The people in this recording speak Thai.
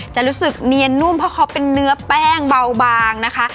จะรู้สึกเนียนนุ่มเพราะเขาเป็นเนื้อแป้งเบาบางนะคะ